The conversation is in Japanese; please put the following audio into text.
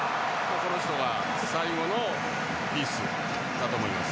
この人が最後のピースだと思います。